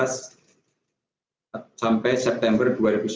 sampai september dua ribu sembilan belas